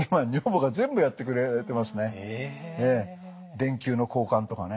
電球の交換とかね。